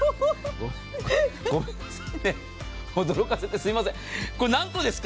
驚かせてすいません。